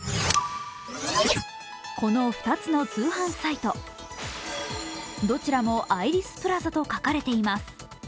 この１つの通販サイト、どちらもアイリスプラザと書かれています。